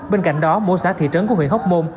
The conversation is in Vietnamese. bên cạnh đó mỗi xã thị trấn của huyện hóc môn